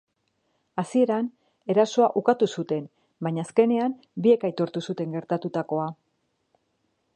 Hasieran erasoa ukatu zuten, baina azkenean biek aitortu zuten gertatukoa.